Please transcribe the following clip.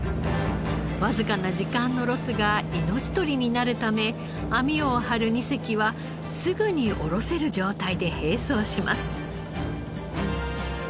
わずかな時間のロスが命取りになるため網を張る２隻はすぐに下ろせる状態で並走します。